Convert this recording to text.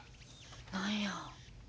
何や？